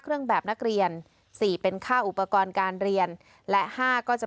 เครื่องแบบนักเรียนสี่เป็นค่าอุปกรณ์การเรียนและห้าก็จะ